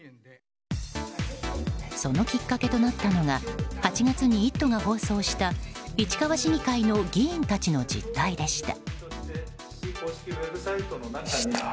そのきっかけとなったのが８月に「イット！」が放送した市川市議会の議員たちの実態でした。